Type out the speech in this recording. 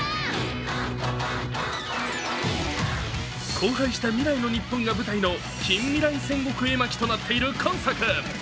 荒廃した未来の日本が舞台の近未来戦国絵巻となっている今作。